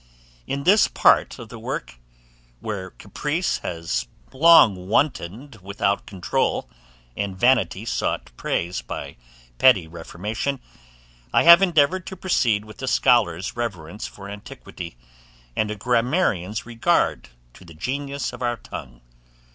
In this part of the work, where caprice has long wantoned without controul, and vanity sought praise by petty reformation, I have endeavoured to proceed with a scholar's reverence for antiquity, and a grammarian's regard to the genius of our tongue.